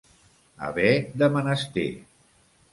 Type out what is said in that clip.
Haver de menester.